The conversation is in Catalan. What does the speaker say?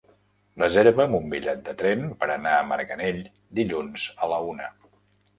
Reserva'm un bitllet de tren per anar a Marganell dilluns a la una.